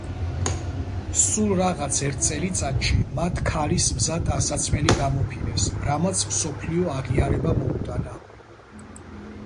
სულ რაღაც ერთ წელიწადში მათ ქალის მზა ტანსაცმელი გამოფინეს, რამაც მსოფლიო აღიარება მოუტანა.